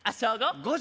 ５０。